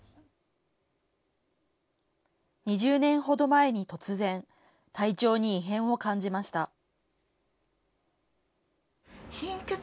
２０年ほど前に突然、体調に異変を感じました。